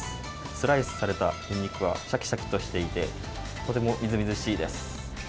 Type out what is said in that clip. スライスされたニンニクは、しゃきしゃきっとしていて、とてもみずみずしいです。